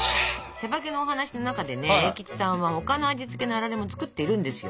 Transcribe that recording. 「しゃばけ」のお話の中でね栄吉さんは他の味付けのあられも作ってるんですよ。